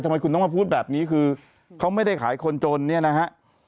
ทำไมคุณต้องมาพูดแบบนี้คือเขาไม่ได้ขายคนจนเนี่ยนะฮะ